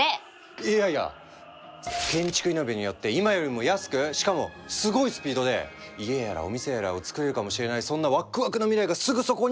いやいや建築イノベによって今よりも安くしかもすごいスピードで家やらお店やらをつくれるかもしれないそんなワックワクな未来がすぐそこに！